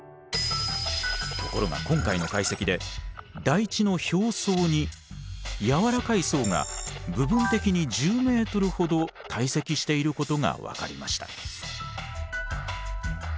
ところが今回の解析で台地の表層に軟らかい層が部分的に１０ｍほど堆積していることが分かりました。